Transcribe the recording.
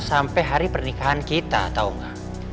sampai hari pernikahan kita tau gak